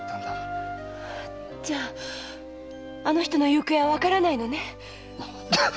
じゃあの人の行方はわからないのね？